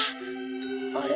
あれ？